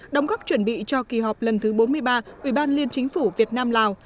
đóng góp chuẩn bị cho kỳ họp lần thứ bốn mươi ba ubnd việt nam lào